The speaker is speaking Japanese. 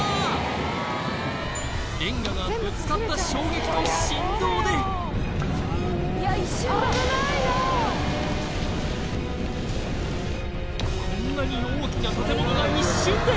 ・レンガがぶつかった衝撃と振動でこんなに大きな建物が一瞬で！